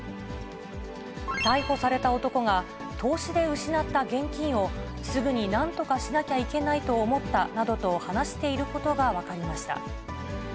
逮捕された男が、投資で失った現金を、すぐになんとかしなきゃいけないと思ったなどと、話していることが分かりました。